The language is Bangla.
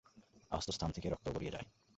আহত স্থান থেকে রক্ত গড়িয়ে যায়।